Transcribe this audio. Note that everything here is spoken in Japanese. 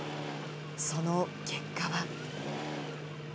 その結果は。